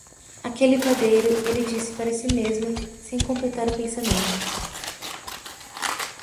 "Aquele padeiro..." ele disse para si mesmo, sem completar o pensamento.